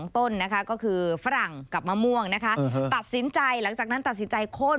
ต้นนะคะก็คือฝรั่งกับมะม่วงนะคะตัดสินใจหลังจากนั้นตัดสินใจโค้น